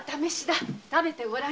食べてごらんよ。